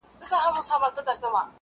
o ډېر الله پر زړه باندي دي شـپـه نـه ده.